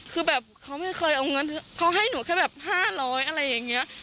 คือแบบเขาไม่เคยเอาเงินเขาให้หนูแค่แบบ๕๐๐อะไรอย่างนี้